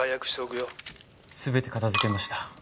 全て片付けました。